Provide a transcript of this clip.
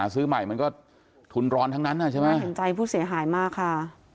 ซื้อใหม่มันก็ทุนร้อนทั้งนั้นใช่ไหมเห็นใจผู้เสียหายมากค่ะ